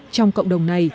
trong cộng đồng này